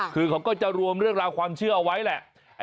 คือเขาก็จะรวมเรื่องราวความเชื่อเอาไว้แหละ